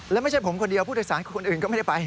และไม่ใช่ผมคนเดียวผู้โดยสารคนอื่นก็ไม่ได้ไป